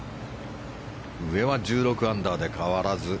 上は１６アンダーで変わらず。